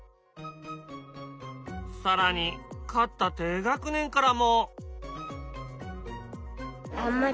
更に勝った低学年からも。